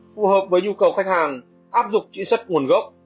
phù hợp với nhu cầu khách hàng áp dụng truy xuất nguồn gốc